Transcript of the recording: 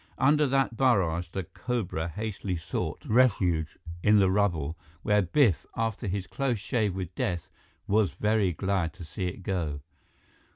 Under that barrage, the cobra hastily sought refuge in the rubble, where Biff, after his close shave with death, was very glad to see it go.